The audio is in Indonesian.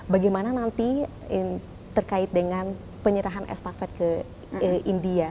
bagaimana nanti terkait dengan penyerahan estafet ke india